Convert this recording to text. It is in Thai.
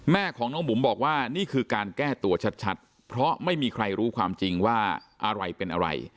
แม่ของน้องบุ๋มบอกว่านี่คือการแก้ตัวชัดเพราะไม่มีใครรู้ความจริงว่าอะไรเป็นอะไร